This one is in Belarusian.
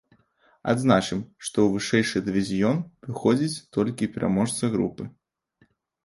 Адзначым, што ў вышэйшы дывізіён выходзіць толькі пераможца групы.